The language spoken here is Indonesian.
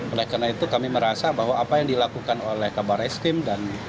oleh karena itu kami merasa bahwa apa yang dilakukan oleh kabar eskrim dan